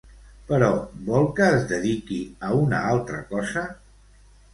Però, vol que es dediqui a una altra cosa?